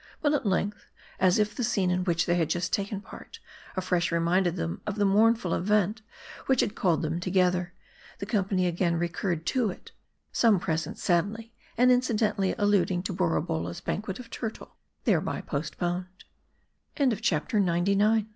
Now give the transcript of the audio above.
But at length, as if the scene in which they had just taken part, afresh reminded them of the mournful event which had called them together, the company again recurred to it ; some present, sadly and incidentally alluding to Borabolla's banquet of turtle, thereby postpo